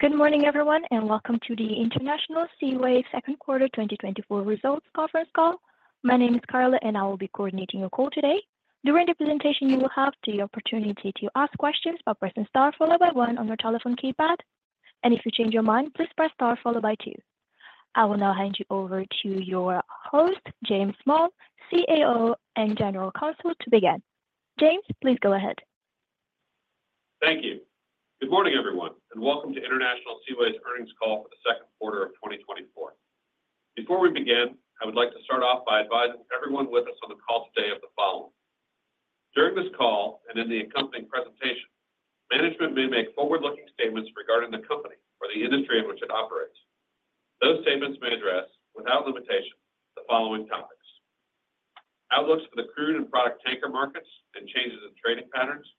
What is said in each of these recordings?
Good morning, everyone, and welcome to the International Seaways Second Quarter 2024 Results Conference Call. My name is Carla, and I will be coordinating your call today. During the presentation, you will have the opportunity to ask questions by pressing Star followed by One on your telephone keypad, and if you change your mind, please press Star followed by Two. I will now hand you over to your host, James Small, CAO and General Counsel, to begin. James, please go ahead. Thank you. Good morning, everyone, and welcome to International Seaways' earnings call for the second quarter of 2024. Before we begin, I would like to start off by advising everyone with us on the call today of the following: During this call and in the accompanying presentation, management may make forward-looking statements regarding the company or the industry in which it operates. Those statements may address, without limitation, the following topics: outlooks for the crude and product tanker markets and changes in trading patterns,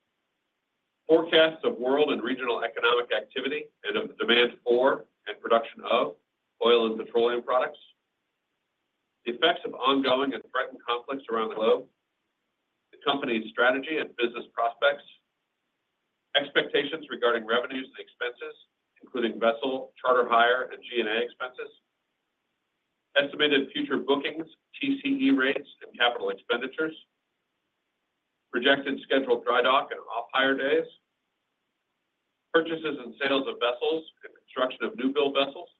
forecasts of world and regional economic activity and of the demand for and production of oil and petroleum products, the effects of ongoing and threatened conflicts around the globe, the company's strategy and business prospects, expectations regarding revenues and expenses, including vessel charter hire and G&A expenses, estimated future bookings, TCE rates, and capital expenditures, projected scheduled dry dock and off-hire days, purchases and sales of vessels and construction of new-build vessels,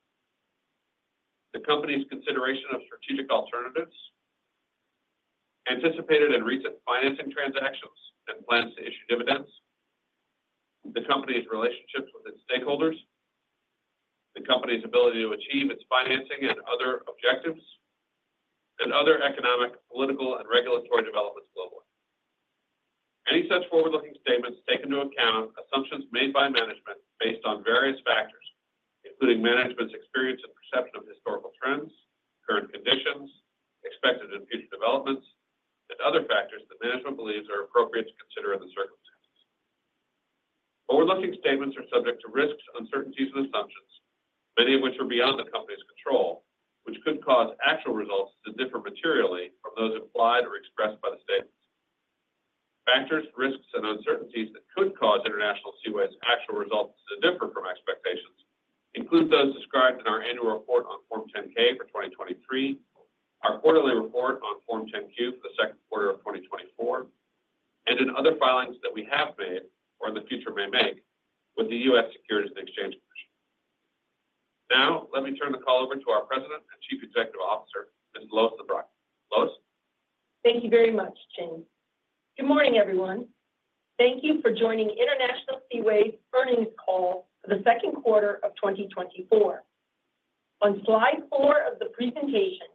the company's consideration of strategic alternatives, anticipated and recent financing transactions and plans to issue dividends, the company's relationships with its stakeholders, the company's ability to achieve its financing and other objectives, and other economic, political, and regulatory developments globally. Any such forward-looking statements take into account assumptions made by management based on various factors, including management's experience and perception of historical trends, current conditions, expected and future developments, and other factors that management believes are appropriate to consider in the circumstances. Forward-looking statements are subject to risks, uncertainties, and assumptions, many of which are beyond the company's control, which could cause actual results to differ materially from those implied or expressed by the statements. Factors, risks, and uncertainties that could cause International Seaways' actual results to differ from expectations include those described in our annual report on Form 10-K for 2023, our quarterly report on Form 10-Q for the second quarter of 2024, and in other filings that we have made or in the future may make with the U.S. Securities and Exchange Commission. Now, let me turn the call over to our President and Chief Executive Officer, Ms. Lois Zabrocky. Lois? Thank you very much, James. Good morning, everyone. Thank you for joining International Seaways' earnings call for the second quarter of 2024. On slide four of the presentation,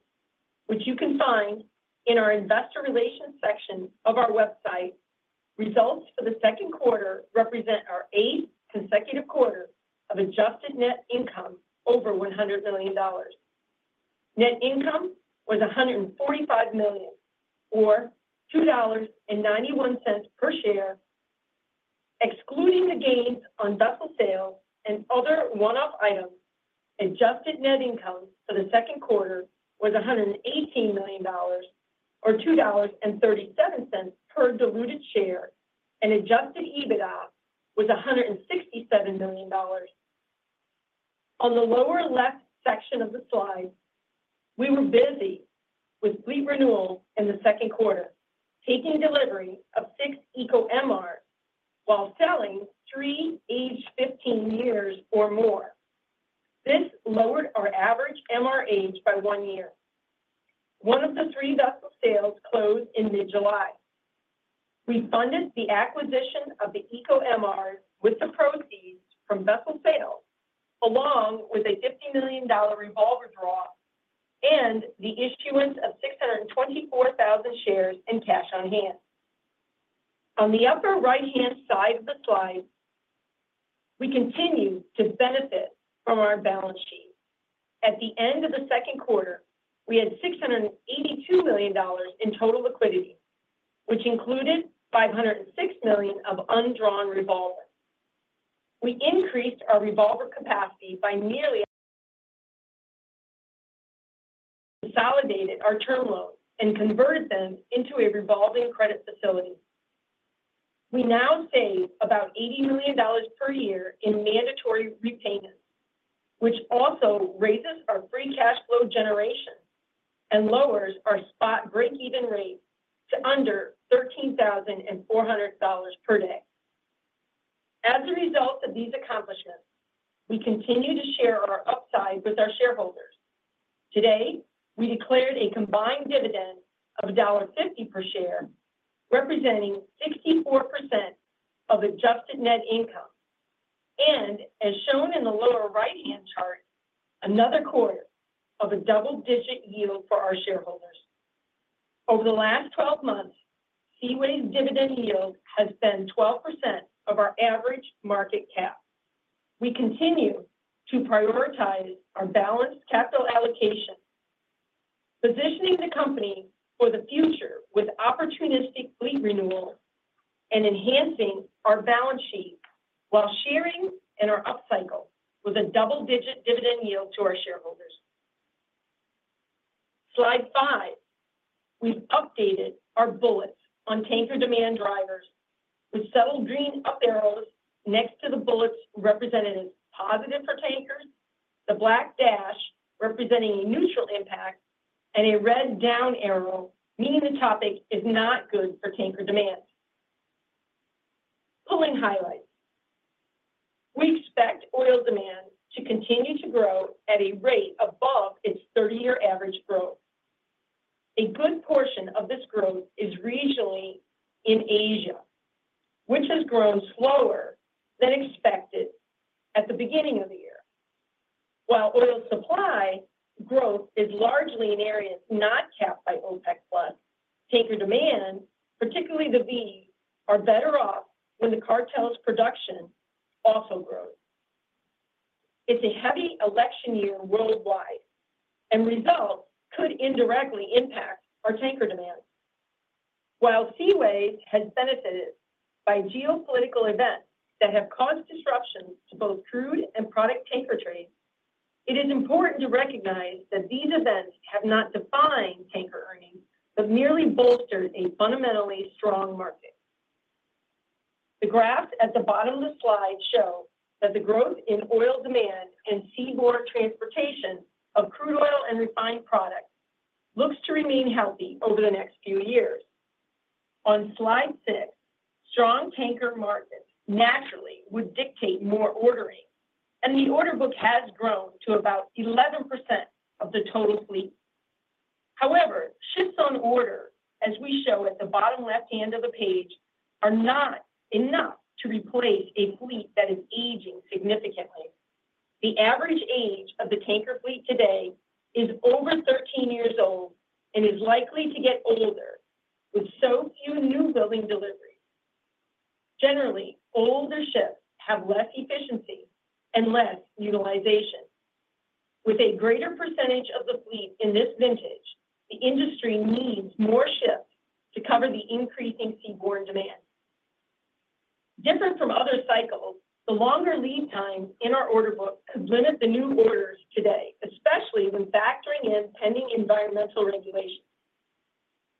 which you can find in our Investor Relations section of our website, results for the second quarter represent our eighth consecutive quarter of Adjusted Net Income over $100 million. Net income was $145 million, or $2.91 per share. Excluding the gains on vessel sales and other one-off items, Adjusted Net Income for the second quarter was $118 million, or $2.37 per diluted share, and Adjusted EBITDA was $167 million. On the lower left section of the slide, we were busy with fleet renewals in the second quarter, taking delivery of six Eco MRs while selling three aged 15 years or more. This lowered our average MR age by one year. One of the three vessel sales closed in mid-July. We funded the acquisition of the Eco MRs with the proceeds from vessel sales, along with a $50 million revolver draw and the issuance of 624,000 shares in cash on hand. On the upper right-hand side of the slide, we continue to benefit from our balance sheet. At the end of the second quarter, we had $682 million in total liquidity, which included $506 million of undrawn revolver. We increased our revolver capacity by nearly consolidated our term loans and converted them into a revolving credit facility. We now save about $80 million per year in mandatory repayments, which also raises our free cash flow generation and lowers our spot break-even rate to under $13,400 per day. As a result of these accomplishments, we continue to share our upside with our shareholders. Today, we declared a combined dividend of $1.50 per share, representing 64% of Adjusted Net Income, and, as shown in the lower right-hand chart, another quarter of a double-digit yield for our shareholders. Over the last 12 months, Seaways' dividend yield has been 12% of our average market cap. We continue to prioritize our balanced capital allocation, positioning the company for the future with opportunistic fleet renewals and enhancing our balance sheet while sharing in our upcycle with a double-digit dividend yield to our shareholders. Slide 5. We've updated our bullets on tanker demand drivers with subtle green up arrows next to the bullets representing positive for tankers, the black dash representing a neutral impact, and a red down arrow meaning the topic is not good for tanker demand. Pulling highlights. We expect oil demand to continue to grow at a rate above its 30-year average growth. A good portion of this growth is regionally in Asia, which has grown slower than expected at the beginning of the year, while oil supply growth is largely in areas not capped by OPEC+. Tanker demand, particularly the Vs, are better off when the cartel's production also grows. It's a heavy election year worldwide, and results could indirectly impact our tanker demand. While Seaways has benefited by geopolitical events that have caused disruptions to both crude and product tanker trade, it is important to recognize that these events have not defined tanker earnings, but merely bolstered a fundamentally strong market. The graphs at the bottom of the slide show that the growth in oil demand and seaborne transportation of crude oil and refined products looks to remain healthy over the next few years. On slide six, strong tanker markets naturally would dictate more ordering, and the order book has grown to about 11% of the total fleet. However, ships on order, as we show at the bottom left-hand of the page, are not enough to replace a fleet that is aging significantly. The average age of the tanker fleet today is over 13 years old and is likely to get older with so few newbuilding deliveries. Generally, older ships have less efficiency and less utilization. With a greater percentage of the fleet in this vintage, the industry needs more ships to cover the increasing seaborne demand. Different from other cycles, the longer lead times in our order book could limit the new orders today, especially when factoring in pending environmental regulations.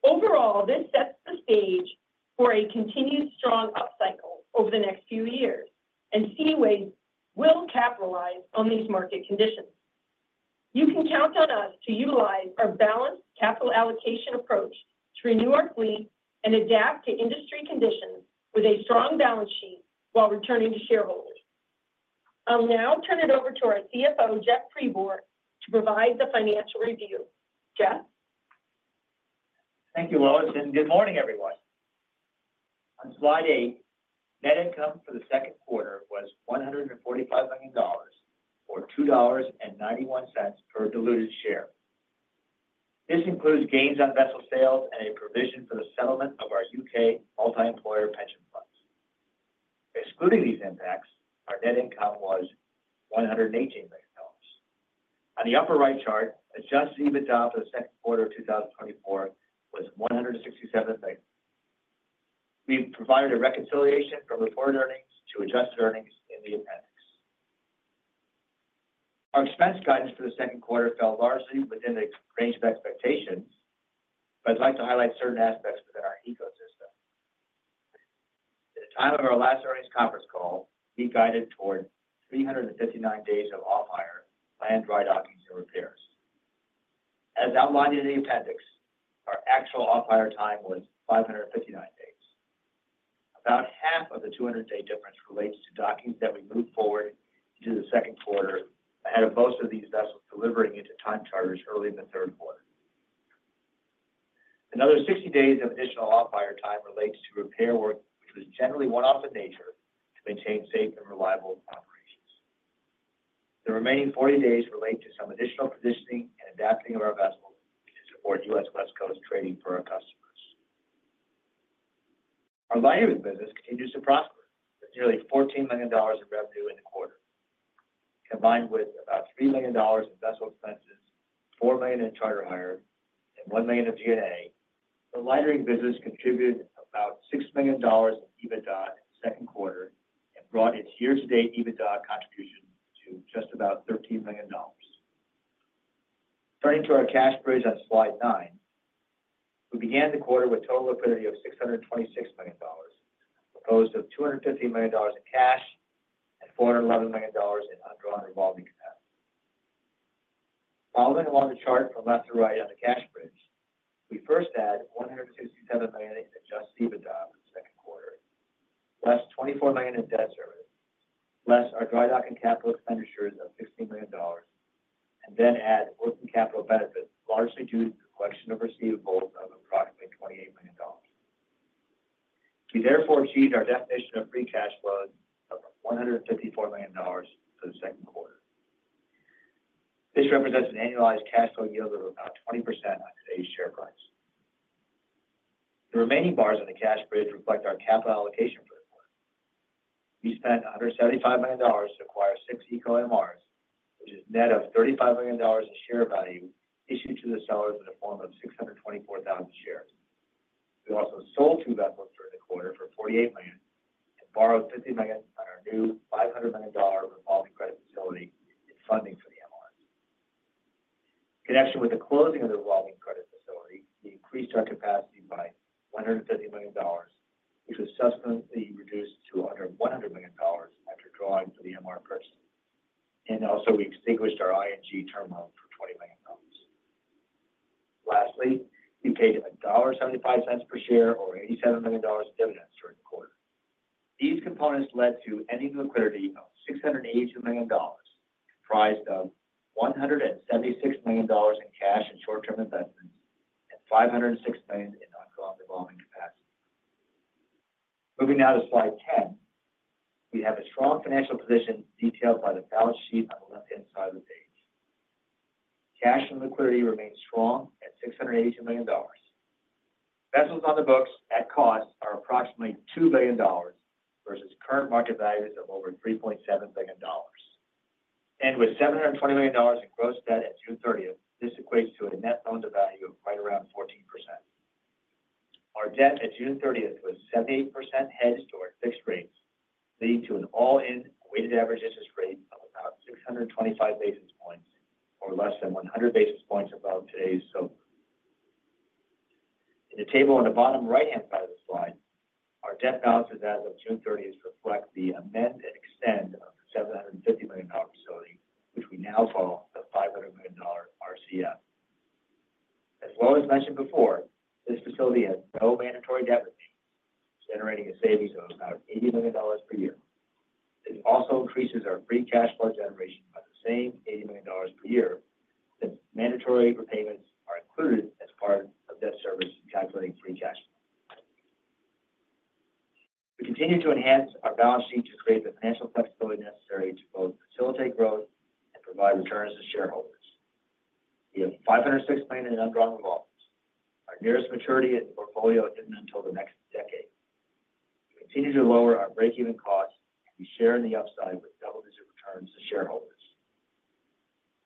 Overall, this sets the stage for a continued strong upcycle over the next few years, and Seaways will capitalize on these market conditions. You can count on us to utilize our balanced capital allocation approach to renew our fleet and adapt to industry conditions with a strong balance sheet while returning to shareholders. I'll now turn it over to our CFO, Jeff Pribor, to provide the financial review. Jeff? Thank you, Lois, and good morning, everyone. On slide eight, net income for the second quarter was $145 million, or $2.91 per diluted share. This includes gains on vessel sales and a provision for the settlement of our UK multi-employer pension funds. Excluding these impacts, our net income was $118 million. On the upper right chart, adjusted EBITDA for the second quarter of 2024 was $167 million. We've provided a reconciliation from reported earnings to adjusted earnings in the appendix. Our expense guidance for the second quarter fell largely within the range of expectations, but I'd like to highlight certain aspects within our ecosystem. At the time of our last earnings conference call, we guided toward 359 days of off-hire planned dry dockings and repairs. As outlined in the appendix, our actual off-hire time was 559 days. About half of the 200-day difference relates to dockings that we moved forward into the second quarter ahead of most of these vessels delivering into time charter early in the third quarter. Another 60 days of additional off-hire time relates to repair work, which was generally one-off in nature to maintain safe and reliable operations. The remaining 40 days relate to some additional positioning and adapting of our vessels to support U.S. West Coast trading for our customers. Our lightering business continues to prosper, with nearly $14 million in revenue in the quarter. Combined with about $3 million in vessel expenses, $4 million in charter hire, and $1 million of G&A, the lightering business contributed about $6 million in EBITDA in the second quarter and brought its year-to-date EBITDA contribution to just about $13 million. Turning to our cash bridge on slide nine, we began the quarter with total liquidity of $626 million, comprised of $250 million in cash and $411 million in undrawn revolving capacity. Following along the chart from left to right on the cash bridge, we first add $167 million in Adjusted EBITDA for the second quarter, less $24 million in debt service, less our dry docking capital expenditures of $16 million, and then add working capital benefits largely due to the collection of receivables of approximately $28 million. We therefore achieved our definition of Free Cash Flow of $154 million for the second quarter. This represents an annualized cash flow yield of about 20% on today's share price. The remaining bars on the cash bridge reflect our capital allocation for the quarter. We spent $175 million to acquire six Eco MRs, which is net of $35 million in share value issued to the sellers in the form of 624,000 shares. We also sold two vessels during the quarter for $48 million and borrowed $50 million on our new $500 million revolving credit facility and funding for the MRs. In connection with the closing of the revolving credit facility, we increased our capacity by $150 million, which was subsequently reduced to under $100 million after drawing for the MR purchase. Also, we extinguished our ING term loan for $20 million. Lastly, we paid $1.75 per share, or $87 million in dividends during the quarter. These components led to ending liquidity of $682 million, comprised of $176 million in cash and short-term investments, and $506 million in undrawn revolving capacity. Moving now to slide 10, we have a strong financial position detailed by the balance sheet on the left-hand side of the page. Cash and liquidity remained strong at $682 million. Vessels on the books at cost are approximately $2 billion versus current market values of over $3.7 billion. With $720 million in gross debt at June 30th, this equates to a net loan to value of right around 14%. Our debt at June 30th was 78% headed toward fixed rates, leading to an all-in weighted average interest rate of about 625 basis points, or less than 100 basis points above today's SOFR. In the table on the bottom right-hand side of the slide, our debt balances as of June 30th reflect the amend and extend of the $750 million facility, which we now call the $500 million RCF. As Lois mentioned before, this facility has no mandatory debt remaining, generating a savings of about $80 million per year. This also increases our free cash flow generation by the same $80 million per year since mandatory repayments are included as part of debt service calculating free cash flow. We continue to enhance our balance sheet to create the financial flexibility necessary to both facilitate growth and provide returns to shareholders. We have $506 million in undrawn revolvers. Our nearest maturity in the portfolio isn't until the next decade. We continue to lower our break-even costs and be sharing the upside with double-digit returns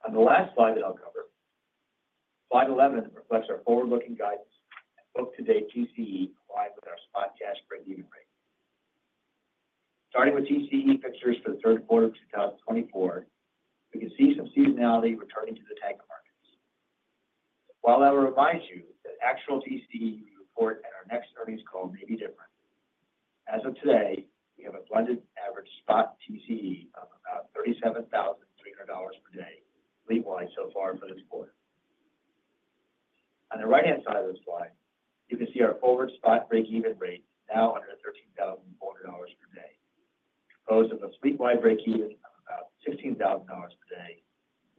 to shareholders. On the last slide that I'll cover, slide 11 reflects our forward-looking guidance and book-to-date TCE aligned with our spot cash break-even rate. Starting with TCE fixtures for the third quarter of 2024, we can see some seasonality returning to the tanker markets. While I will remind you that actual TCE we report at our next earnings call may be different, as of today, we have a blended average spot TCE of about $37,300 per day fleet-wide so far for this quarter. On the right-hand side of the slide, you can see our forward spot break-even rate now under $13,400 per day, composed of a fleet-wide break-even of about $16,000 per day,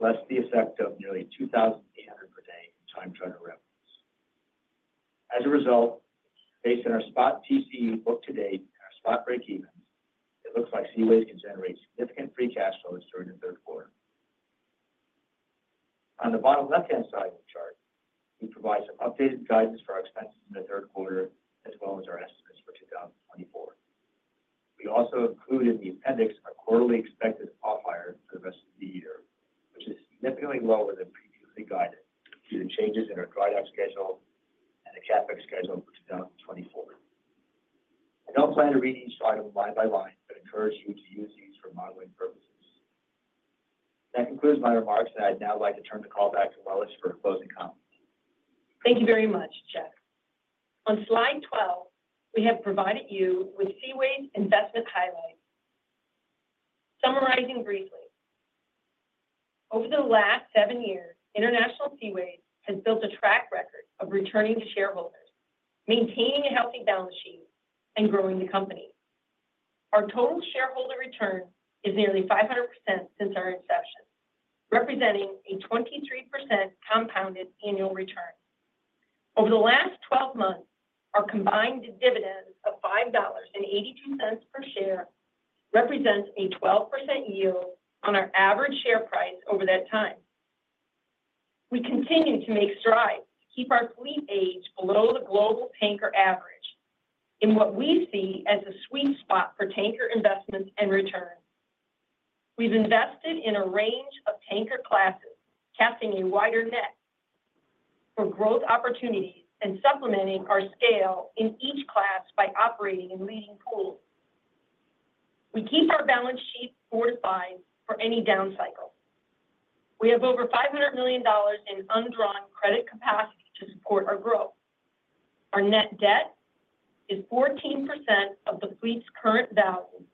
less the effect of nearly $2,800 per day in time charter revenues. As a result, based on our spot TCE book-to-date and our spot break-evens, it looks like Seaways can generate significant free cash flows during the third quarter. On the bottom left-hand side of the chart, we provide some updated guidance for our expenses in the third quarter, as well as our estimates for 2024. We also included in the appendix our quarterly expected off-hire for the rest of the year, which is significantly lower than previously guided due to changes in our dry dock schedule and the CapEx schedule for 2024. I don't plan to read each item line by line, but encourage you to use these for modeling purposes. That concludes my remarks, and I'd now like to turn the call back to Lois for a closing comment. Thank you very much, Jeff. On slide 12, we have provided you with Seaways' investment highlights. Summarizing briefly, over the last seven years, International Seaways has built a track record of returning to shareholders, maintaining a healthy balance sheet, and growing the company. Our total shareholder return is nearly 500% since our inception, representing a 23% compounded annual return. Over the last 12 months, our combined dividends of $5.82 per share represent a 12% yield on our average share price over that time. We continue to make strides to keep our fleet age below the global tanker average in what we see as a sweet spot for tanker investments and return. We've invested in a range of tanker classes, casting a wider net for growth opportunities and supplementing our scale in each class by operating in leading pools. We keep our balance sheet fortified for any down cycle. We have over $500 million in undrawn credit capacity to support our growth. Our net debt is 14% of the fleet's current value,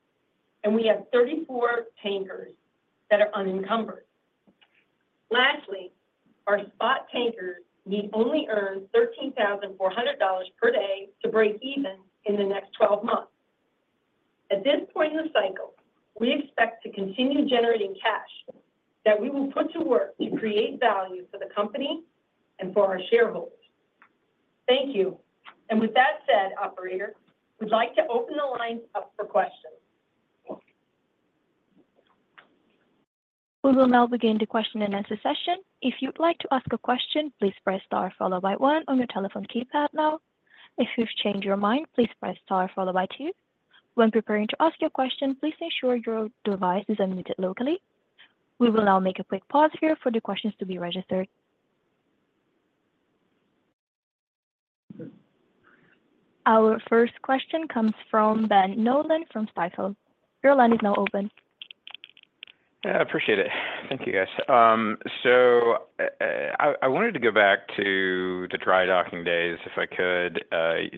and we have 34 tankers that are unencumbered. Lastly, our spot tankers need only earn $13,400 per day to break even in the next 12 months. At this point in the cycle, we expect to continue generating cash that we will put to work to create value for the company and for our shareholders. Thank you. And with that said, Operator, we'd like to open the lines up for questions. We will now begin the question-and-answer session. If you'd like to ask a question, please press star followed by one on your telephone keypad now. If you've changed your mind, please press star followed by two. When preparing to ask your question, please ensure your device is unmuted locally. We will now make a quick pause here for the questions to be registered. Our first question comes from Ben Nolan from Stifel. Your line is now open. Yeah, I appreciate it. Thank you, guys. I wanted to go back to the dry docking days, if I could.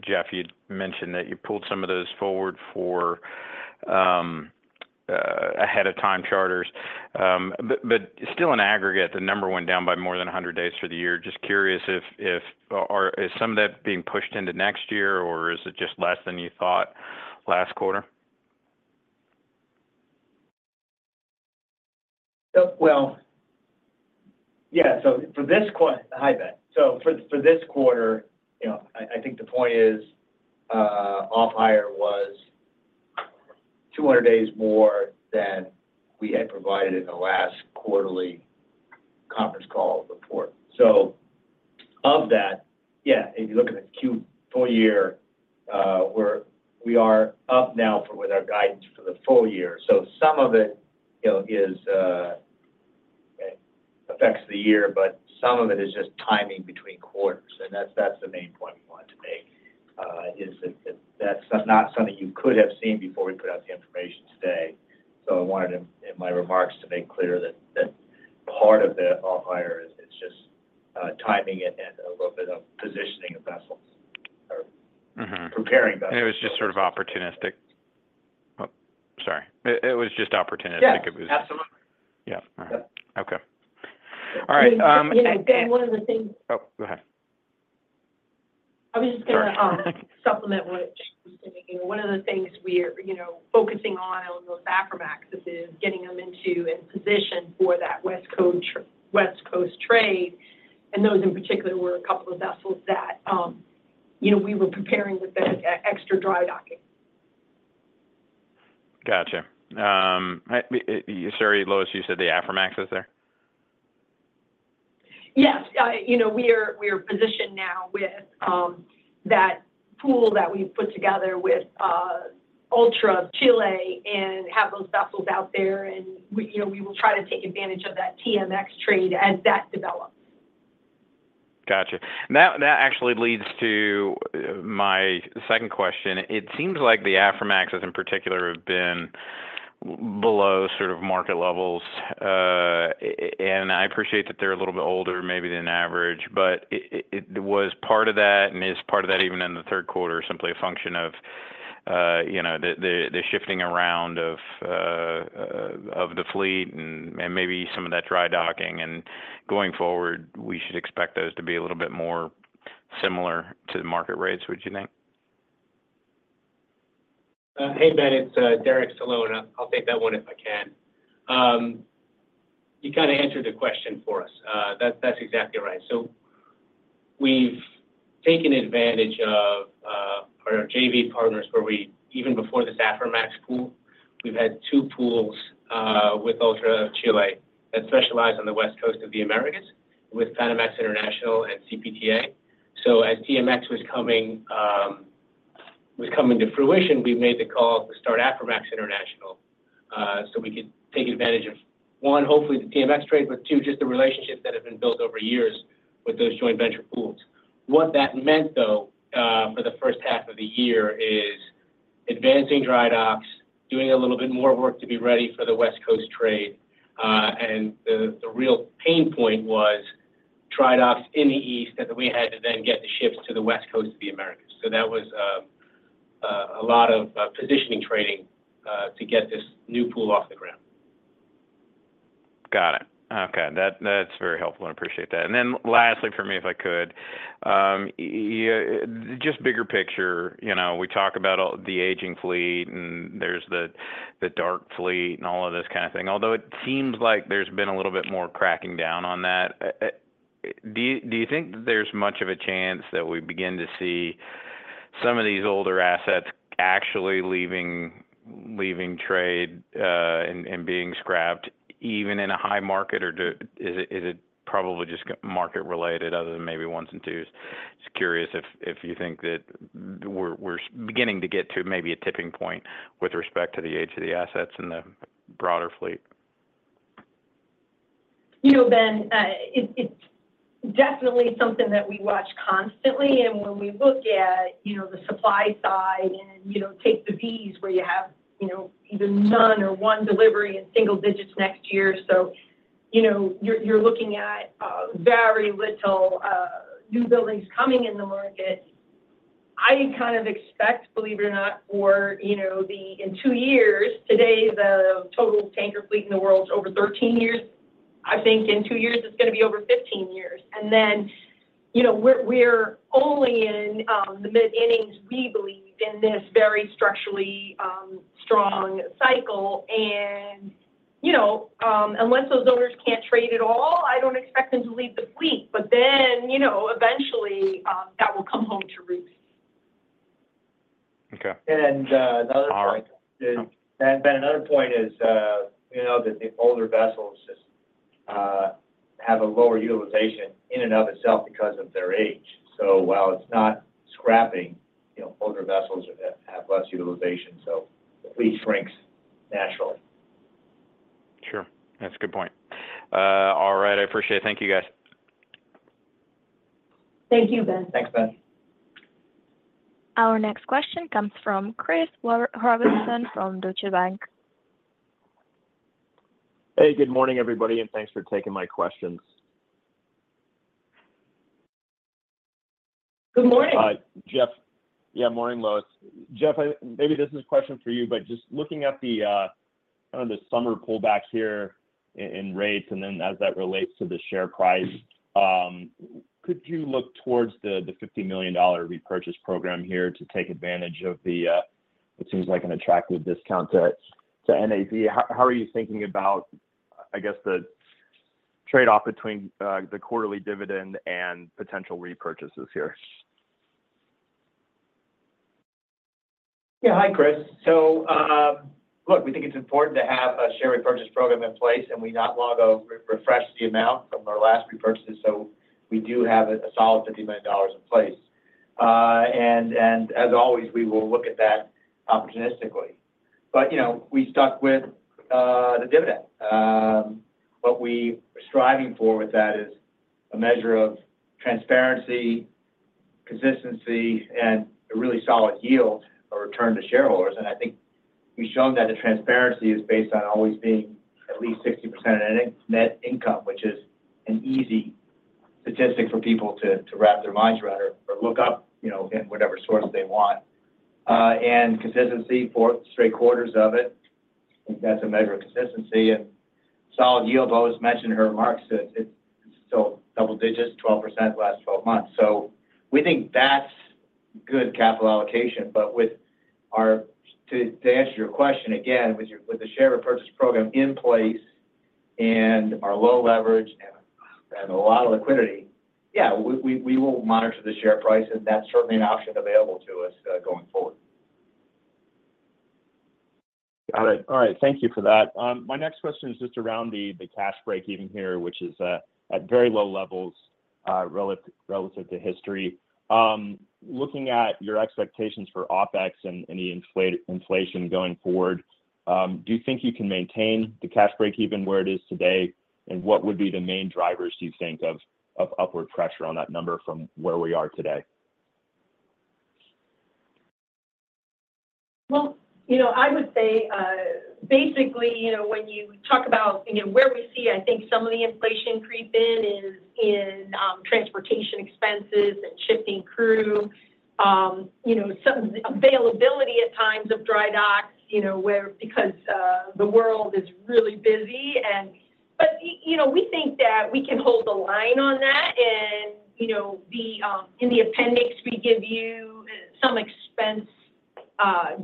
Jeff, you'd mentioned that you pulled some of those forward for ahead-of-time charters. But still in aggregate, the number went down by more than 100 days for the year. Just curious, is some of that being pushed into next year, or is it just less than you thought last quarter? Well, yeah, so for this quarter, hi, Ben. So for this quarter, I think the point is off-hire was 200 days more than we had provided in the last quarterly conference call report. So of that, yeah, if you look at the Q4 year, we are up now with our guidance for the full year. So some of it affects the year, but some of it is just timing between quarters. And that's the main point we wanted to make, is that that's not something you could have seen before we put out the information today. So I wanted in my remarks to make clear that part of the off-hire is just timing and a little bit of positioning of vessels or preparing vessels. It was just sort of opportunistic. Oh, sorry. It was just opportunistic. Yeah, absolutely. Yeah. All right. Okay. All right. Ben, one of the things. Oh, go ahead. I was just going to supplement what Jeff was saying. One of the things we're focusing on those Aframax is getting them into and positioned for that West Coast trade. Those in particular were a couple of vessels that we were preparing with that extra dry docking. Gotcha. Sorry, Lois, you said the Aframax was there? Yes. We are positioned now with that pool that we've put together with Ultranav and have those vessels out there. We will try to take advantage of that TMX trade as that develops. Gotcha. That actually leads to my second question. It seems like the Aframaxes, in particular, have been below sort of market levels. And I appreciate that they're a little bit older maybe than average. But was part of that and is part of that even in the third quarter simply a function of the shifting around of the fleet and maybe some of that dry docking? And going forward, we should expect those to be a little bit more similar to the market rates, would you think? Hey, Ben, it's Derek Solon. I'll take that one if I can. You kind of answered the question for us. That's exactly right. So we've taken advantage of our JV partners where we, even before this Aframax pool, we've had two pools with Ultra of Chile that specialize on the West Coast of the Americas with Panamax International and CPTA. So as TMX was coming to fruition, we made the call to start Aframax International so we could take advantage of, one, hopefully the TMX trade, but two, just the relationships that have been built over years with those joint venture pools. What that meant, though, for the first half of the year is advancing dry docks, doing a little bit more work to be ready for the West Coast trade. And the real pain point was dry docks in the East that we had to then get the ships to the West Coast of the Americas. So that was a lot of positioning training to get this new pool off the ground. Got it. Okay. That's very helpful. I appreciate that. And then lastly, for me, if I could, just bigger picture, we talk about the aging fleet and there's the dark fleet and all of this kind of thing. Although it seems like there's been a little bit more cracking down on that. Do you think there's much of a chance that we begin to see some of these older assets actually leaving trade and being scrapped even in a high market, or is it probably just market-related other than maybe ones and twos? Just curious if you think that we're beginning to get to maybe a tipping point with respect to the age of the assets and the broader fleet. Ben, it's definitely something that we watch constantly. And when we look at the supply side and take the Vs where you have either none or one delivery in single digits next year. So you're looking at very little new buildings coming in the market. I kind of expect, believe it or not, for the in two years, today, the total tanker fleet in the world is over 13 years. I think in two years, it's going to be over 15 years. And then we're only in the mid-innings, we believe, in this very structurally strong cycle. And unless those owners can't trade at all, I don't expect them to leave the fleet. But then eventually, that will come home to roost. Okay. And another point is, Ben, another point is that the older vessels just have a lower utilization in and of itself because of their age. So while it's not scrapping, older vessels have less utilization. So the fleet shrinks naturally. Sure. That's a good point. All right. I appreciate it. Thank you, guys. Thank you, Ben. Thanks, Ben. Our next question comes from Chris Robertson from Deutsche Bank. Hey, good morning, everybody. Thanks for taking my questions. Good morning. Jeff. Yeah, morning, Lois. Jeff, maybe this is a question for you, but just looking at the kind of the summer pullback here in rates and then as that relates to the share price, could you look towards the $50 million repurchase program here to take advantage of the, it seems like, an attractive discount to NAV? How are you thinking about, I guess, the trade-off between the quarterly dividend and potential repurchases here? Yeah. Hi, Chris. So look, we think it's important to have a share repurchase program in place, and we not long ago refreshed the amount from our last repurchases. So we do have a solid $50 million in place. And as always, we will look at that opportunistically. But we stuck with the dividend. What we are striving for with that is a measure of transparency, consistency, and a really solid yield or return to shareholders. And I think we've shown that the transparency is based on always being at least 60% in net income, which is an easy statistic for people to wrap their minds around or look up in whatever source they want. And consistency for six straight quarters of it, I think that's a measure of consistency. And solid yield, Lois mentioned in her remarks. It's still double digits, 12% the last 12 months. We think that's good capital allocation. But to answer your question, again, with the share repurchase program in place and our low leverage and a lot of liquidity, yeah, we will monitor the share price. That's certainly an option available to us going forward. Got it. All right. Thank you for that. My next question is just around the cash break-even here, which is at very low levels relative to history. Looking at your expectations for OpEx and the inflation going forward, do you think you can maintain the cash break-even where it is today? And what would be the main drivers, do you think, of upward pressure on that number from where we are today? Well, I would say basically when you talk about where we see, I think some of the inflation creep in is in transportation expenses and shipping crew availability at times of dry docks because the world is really busy. But we think that we can hold the line on that. In the appendix, we give you some expense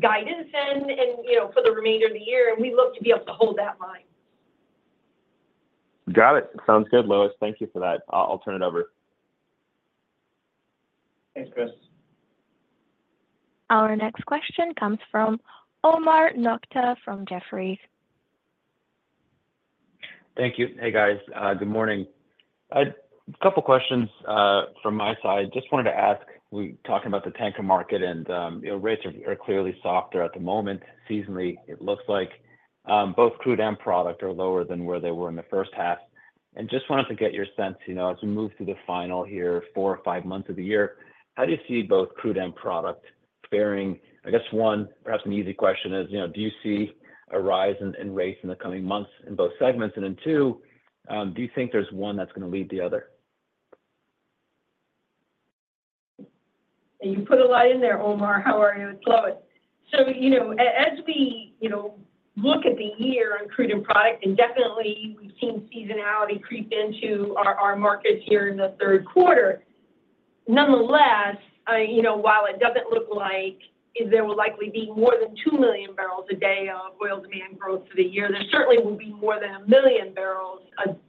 guidance for the remainder of the year. We look to be able to hold that line. Got it. Sounds good, Lois. Thank you for that. I'll turn it over. Thanks, Chris. Our next question comes from Omar Nokta from Jefferies. Thank you. Hey, guys. Good morning. A couple of questions from my side. Just wanted to ask, we were talking about the tanker market, and rates are clearly softer at the moment. Seasonally, it looks like both crude and product are lower than where they were in the first half. Just wanted to get your sense as we move through the final here, four or five months of the year, how do you see both crude and product faring? I guess one, perhaps an easy question is, do you see a rise in rates in the coming months in both segments? And then two, do you think there's one that's going to lead the other? You put a lot in there, Omar. How are you? It's Lois. So as we look at the year on crude and product, and definitely we've seen seasonality creep into our markets here in the third quarter. Nonetheless, while it doesn't look like there will likely be more than 2 million barrels a day of oil demand growth for the year, there certainly will be more than 1 million barrels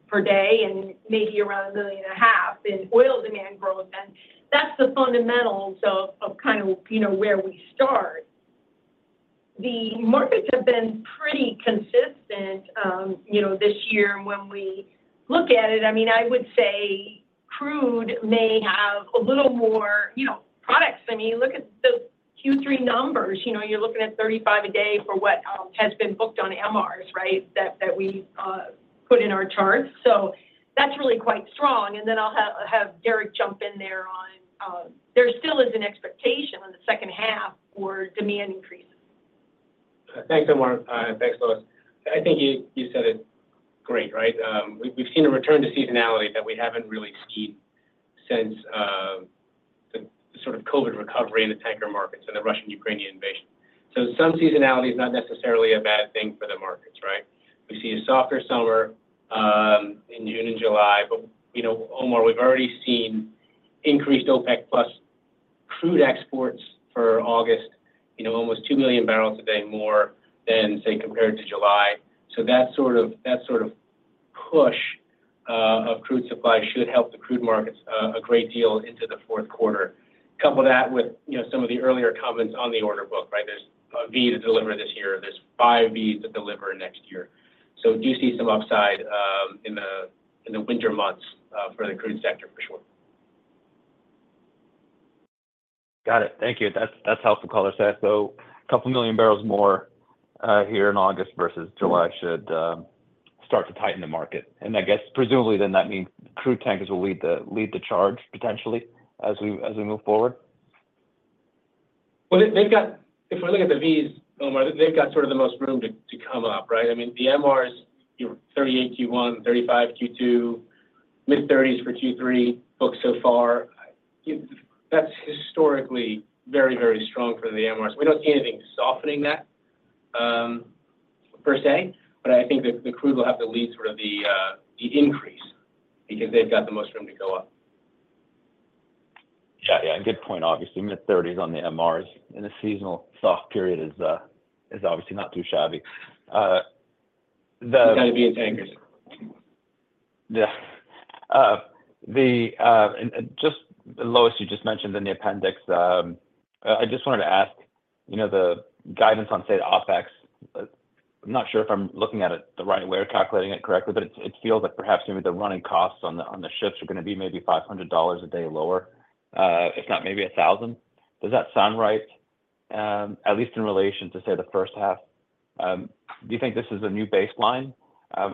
per day and maybe around 1.5 million in oil demand growth. And that's the fundamentals of kind of where we start. The markets have been pretty consistent this year. And when we look at it, I mean, I would say crude may have a little more products. I mean, look at the Q3 numbers. You're looking at 35 a day for what has been booked on Aframax, right, that we put in our charts. That's really quite strong. Then I'll have Derek jump in there on there still is an expectation in the second half for demand increases. Thanks, Omar. Thanks, Lois. I think you said it great, right? We've seen a return to seasonality that we haven't really seen since the sort of COVID recovery in the tanker markets and the Russian-Ukrainian invasion. So some seasonality is not necessarily a bad thing for the markets, right? We see a softer summer in June and July. But Omar, we've already seen increased OPEC+ crude exports for August, almost 2 million barrels a day more than, say, compared to July. So that sort of push of crude supply should help the crude markets a great deal into the fourth quarter. Couple that with some of the earlier comments on the order book, right? There's a V to deliver this year. There's 5 Vs to deliver next year. So do you see some upside in the winter months for the crude sector for sure? Got it. Thank you. That's helpful, Color. So 2 million barrels more here in August versus July should start to tighten the market. And I guess presumably then that means crude tankers will lead the charge potentially as we move forward. Well, if we look at the VLCCs, Omar, they've got sort of the most room to come up, right? I mean, the Aframaxes, your 38 Q1, 35 Q2, mid-30s for Q3 books so far. That's historically very, very strong for the Aframaxes. We don't see anything softening that per se. But I think the crude will have to lead sort of the increase because they've got the most room to go up. Yeah. Yeah. And good point, obviously. Mid-30s on the Aframax in a seasonal soft period is obviously not too shabby. It's got to be in tankers. Yeah. Just Lois, you just mentioned in the appendix. I just wanted to ask the guidance on, say, OpEx. I'm not sure if I'm looking at it the right way or calculating it correctly, but it feels like perhaps maybe the running costs on the ships are going to be maybe $500 a day lower, if not maybe $1,000. Does that sound right, at least in relation to, say, the first half? Do you think this is a new baseline,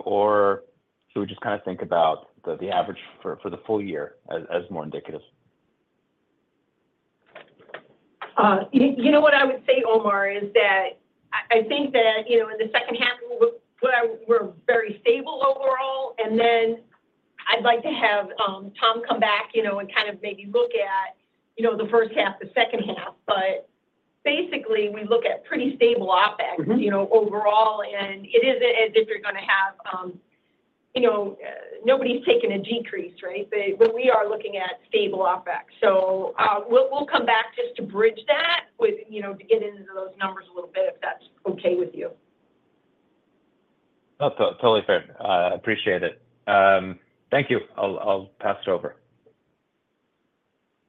or should we just kind of think about the average for the full year as more indicative? You know what I would say, Omar, is that I think that in the second half, we're very stable overall. And then I'd like to have Tom come back and kind of maybe look at the first half, the second half. But basically, we look at pretty stable OpEx overall. And it isn't as if you're going to have nobody's taken a decrease, right? But we are looking at stable OpEx. So we'll come back just to bridge that to get into those numbers a little bit if that's okay with you. That's totally fair. I appreciate it. Thank you. I'll pass it over.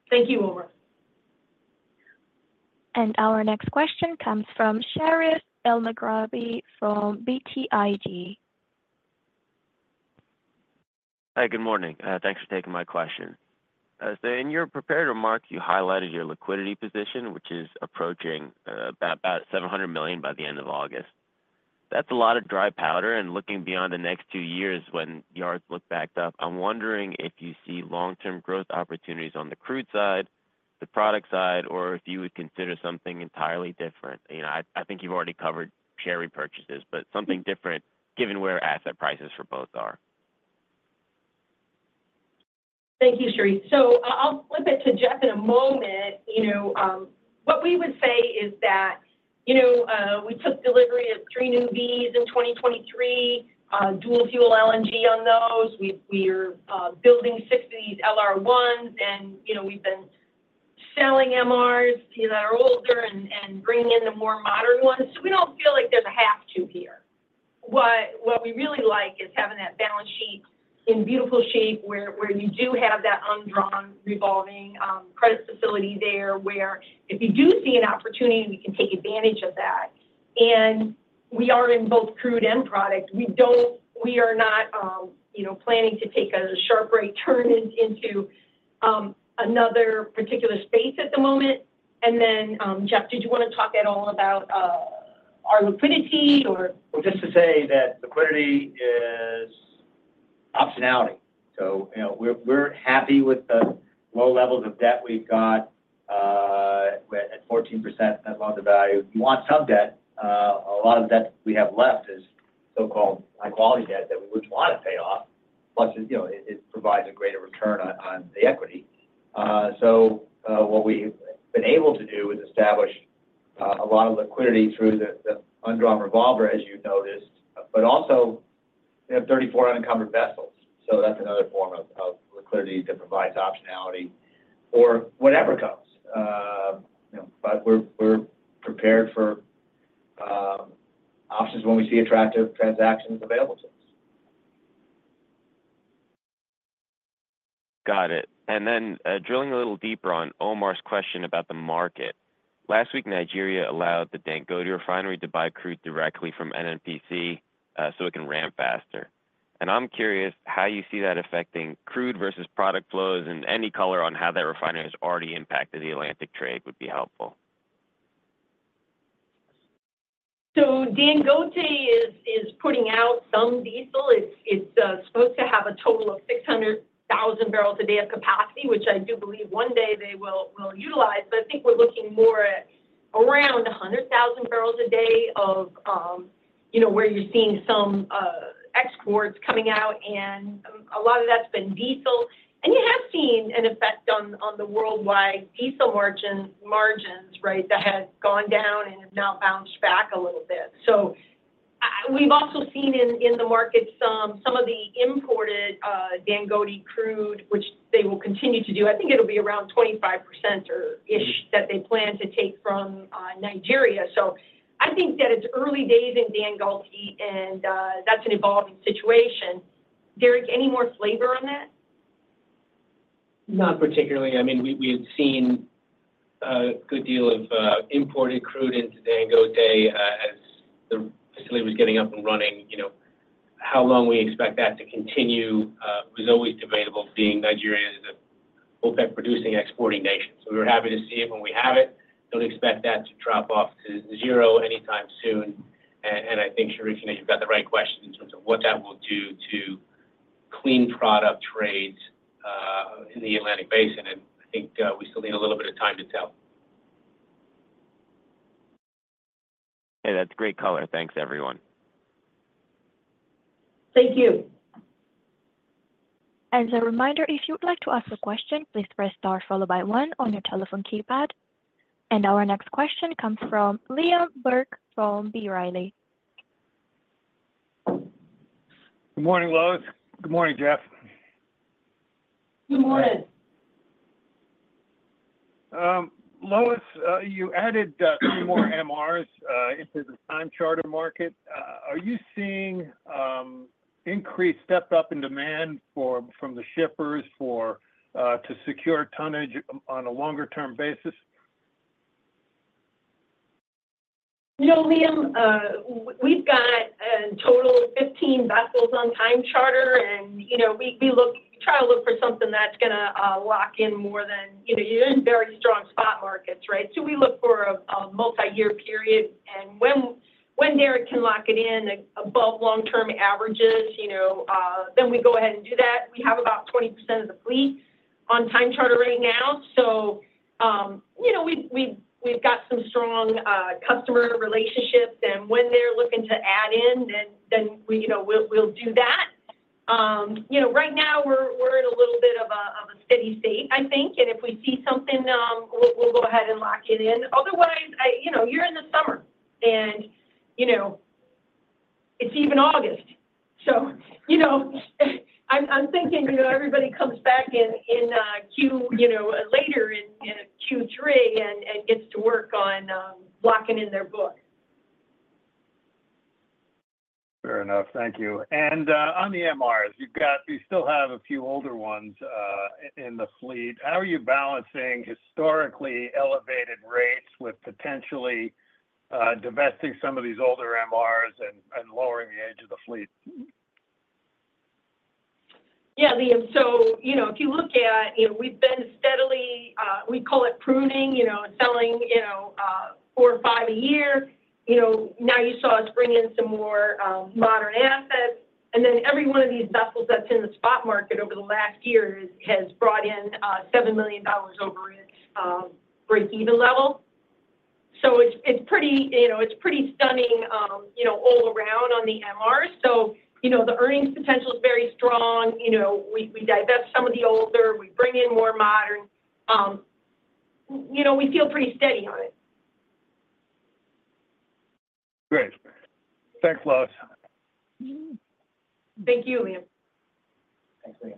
Thank you, Omar. Our next question comes from Sherif Elmaghrabi from BTIG. Hi, good morning. Thanks for taking my question. So in your prepared remark, you highlighted your liquidity position, which is approaching about $700 million by the end of August. That's a lot of dry powder. And looking beyond the next two years when yards look backed up, I'm wondering if you see long-term growth opportunities on the crude side, the product side, or if you would consider something entirely different. I think you've already covered share repurchases, but something different given where asset prices for both are. Thank you, Sherif. So I'll flip it to Jeff in a moment. What we would say is that we took delivery of 3 new Vs in 2023, dual fuel LNG on those. We are building 6 of these LR1s. And we've been selling MRs that are older and bringing in the more modern ones. So we don't feel like there's a have-to here. What we really like is having that balance sheet in beautiful shape where you do have that undrawn revolving credit facility there where if you do see an opportunity, we can take advantage of that. And we are in both crude and product. We are not planning to take a sharp right turn into another particular space at the moment. And then, Jeff, did you want to talk at all about our liquidity or? Well, just to say that liquidity is optionality. So we're happy with the low levels of debt we've got at 14% net loan-to-value. You want some debt. A lot of the debt we have left is so-called high-quality debt that we wouldn't want to pay off. Plus, it provides a greater return on the equity. So what we've been able to do is establish a lot of liquidity through the undrawn revolver, as you've noticed, but also we have 34 unencumbered vessels. So that's another form of liquidity that provides optionality or whatever comes. But we're prepared for options when we see attractive transactions available to us. Got it. Then drilling a little deeper on Omar's question about the market. Last week, Nigeria allowed the Dangote Refinery to buy crude directly from NNPC so it can ramp faster. I'm curious how you see that affecting crude versus product flows and any color on how that refinery has already impacted the Atlantic trade would be helpful. So Dangote is putting out some diesel. It's supposed to have a total of 600,000 barrels a day of capacity, which I do believe one day they will utilize. But I think we're looking more at around 100,000 barrels a day of where you're seeing some exports coming out. And a lot of that's been diesel. And you have seen an effect on the worldwide diesel margins, right, that have gone down and have now bounced back a little bit. So we've also seen in the market some of the imported Dangote crude, which they will continue to do. I think it'll be around 25%-ish that they plan to take from Nigeria. So I think that it's early days in Dangote, and that's an evolving situation. Derek, any more flavor on that? Not particularly. I mean, we had seen a good deal of imported crude into Dangote as the facility was getting up and running. How long we expect that to continue was always debatable, being Nigeria is an OPEC-producing exporting nation. So we're happy to see it when we have it. Don't expect that to drop off to zero anytime soon. And I think, Sherif, you've got the right question in terms of what that will do to clean product trades in the Atlantic Basin. And I think we still need a little bit of time to tell. Hey, that's great color. Thanks, everyone. Thank you. As a reminder, if you would like to ask a question, please press star followed by one on your telephone keypad. Our next question comes from Liam Burke from B. Riley. Good morning, Lois. Good morning, Jeff. Good morning. Lois, you added three more Aframaxes into the time charter market. Are you seeing increased step-up in demand from the shippers to secure tonnage on a longer-term basis? No, Liam. We've got a total of 15 vessels on time charter. And we try to look for something that's going to lock in more than you're in very strong spot markets, right? So we look for a multi-year period. And when Derek can lock it in above long-term averages, then we go ahead and do that. We have about 20% of the fleet on time charter right now. So we've got some strong customer relationships. And when they're looking to add in, then we'll do that. Right now, we're in a little bit of a steady state, I think. And if we see something, we'll go ahead and lock it in. Otherwise, you're in the summer, and it's even August. So I'm thinking everybody comes back in later in Q3 and gets to work on locking in their book. Fair enough. Thank you. And on the Aframaxes, you still have a few older ones in the fleet. How are you balancing historically elevated rates with potentially divesting some of these older Aframaxes and lowering the age of the fleet? Yeah, Liam. So if you look at, we've been steadily we call it pruning, selling 4 or 5 a year. Now you saw us bring in some more modern assets. And then every one of these vessels that's in the spot market over the last year has brought in $7 million over its break-even level. So it's pretty stunning all around on the Aframaxes. So the earnings potential is very strong. We divest some of the older. We bring in more modern. We feel pretty steady on it. Great. Thanks, Lois. Thank you, Liam. Thanks, Liam.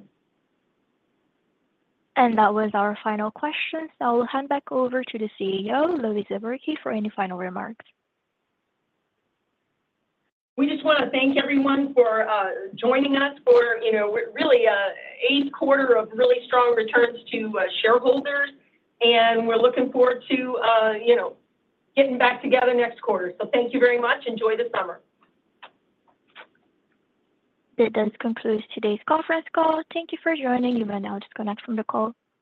That was our final question. So I'll hand back over to the CEO, Lois Zabrocky, for any final remarks. We just want to thank everyone for joining us for our eighth quarter of really strong returns to shareholders. We're looking forward to getting back together next quarter. Thank you very much. Enjoy the summer. That does conclude today's conference call. Thank you for joining. You may now disconnect from the call.